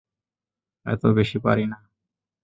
এতো বেশি পারি না।